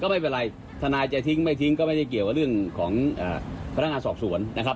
ไม่เป็นไรทนายจะทิ้งไม่ทิ้งก็ไม่ได้เกี่ยวกับเรื่องของพนักงานสอบสวนนะครับ